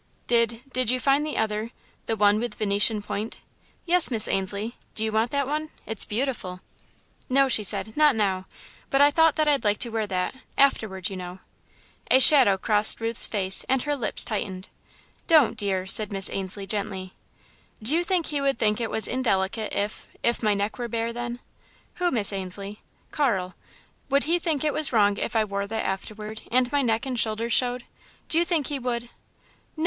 "Did did you find the other the one with Venetian point?" "Yes, Miss Ainslie, do you want that one It's beautiful." "No," she said, "not now, but I thought that I'd like to wear that afterward, you know." A shadow crossed Ruth's face and her lips tightened. "Don't, dear," said Miss Ainslie, gently. "Do you think he would think it was indelicate if if my neck were bare then?" "Who, Miss Ainslie?" "Carl. Would he think it was wrong if I wore that afterward, and my neck and shoulders showed? Do you think he would?" "No!"